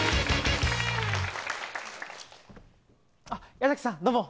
矢崎さん、どうも。